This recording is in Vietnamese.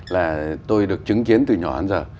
là tôi được chứng kiến từ nhỏ đến giờ